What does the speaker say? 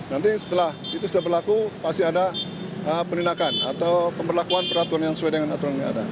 nanti setelah itu sudah berlaku pasti ada penindakan atau pemberlakuan peraturan yang sesuai dengan aturan yang ada